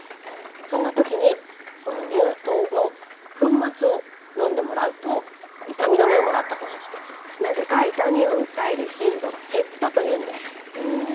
そんな時にこの乳糖の粉末を飲んでもらうと痛み止めをもらったと思ってなぜか痛みを訴える頻度が減ったというんです。